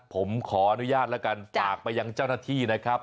ผมขออนุญาตแล้วกันฝากไปยังเจ้าหน้าที่นะครับ